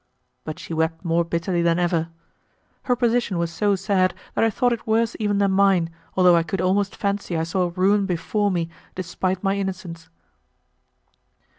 But she wept more bitterly than ever. Her position was so sad that I thought it worse even than mine, although I could almost fancy I saw ruin before me despite my innocence.